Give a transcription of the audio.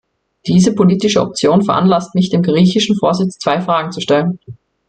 Diese politische Option veranlasst mich, dem griechischen Vorsitz zwei Fragen zu stellen.